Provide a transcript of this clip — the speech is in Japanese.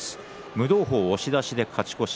夢道鵬、押し出しで勝ち越し。